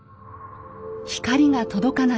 光が届かない